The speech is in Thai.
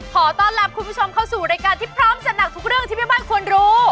ขอต้อนรับคุณผู้ชมเข้าสู่รายการที่พร้อมจัดหนักทุกเรื่องที่แม่บ้านควรรู้